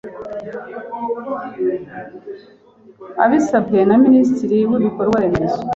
Abisabwe na Minisitiri w Ibikorwa Remezo